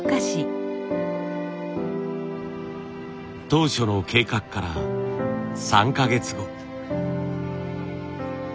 当初の計画から３か月後。